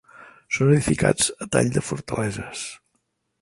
Són edificats a tall de fortaleses